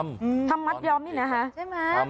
ทำหมัดยอมนี้นะคะ